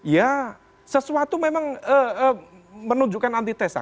ya sesuatu memang menunjukkan antitesa